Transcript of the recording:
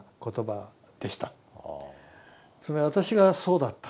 それは私がそうだった。